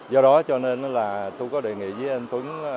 do đó cho nên là tôi có đề nghị với anh tuấn